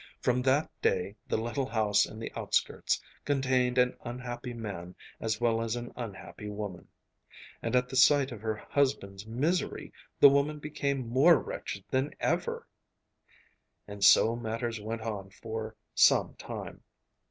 From that day the little house in the outskirts contained an unhappy man as well as an unhappy woman. And at the sight of her husband's misery the woman became more wretched than ever. And so matters went on for some time.